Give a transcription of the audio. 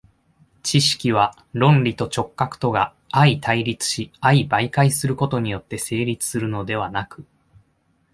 知識は論理と直覚とが相対立し相媒介することによって成立するのではなく、